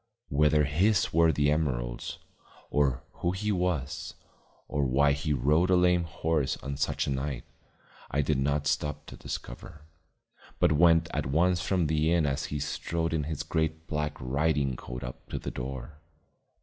Whether his were the emeralds, or who he was, or why he rode a lame horse on such a night, I did not stop to discover, but went at once from the inn as he strode in his great black riding coat up to the door.